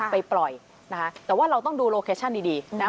ไปปล่อยนะคะแต่ว่าเราต้องดูโลเคชั่นดีนะ